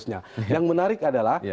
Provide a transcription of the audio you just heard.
yang menarik adalah